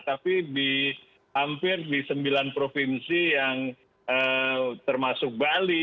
tapi di hampir di sembilan provinsi yang termasuk bali